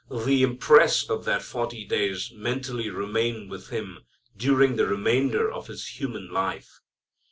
The impress of that forty days mentally remain with Him during the remainder of His human life.